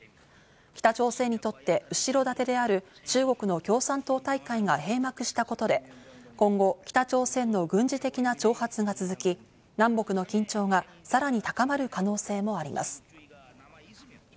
北朝鮮にとって後ろ盾である中国の共産党大会が閉幕したことで、今後、北朝鮮の軍事的な挑発が続き、南北の緊張がさらに高まる可能性もあります。